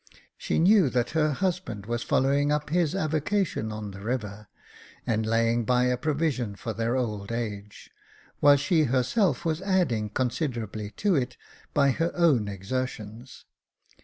She knew that her husband was following up his avocation on the river, and laying by a provision for their old age, while she herself was adding considerably to it by her own exertions.